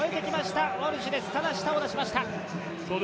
ただ、舌を出しました。